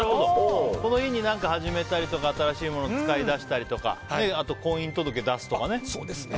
この日に何か始めたり新しいものを使いだしたりとかあと婚姻届出すとかね。